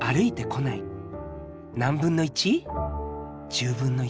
１０分の１。